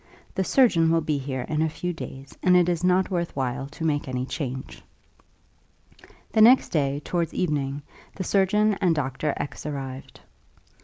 The surgeon will be here in a few days, and it is not worth while to make any change." The next day, towards evening, the surgeon and Dr. X arrived.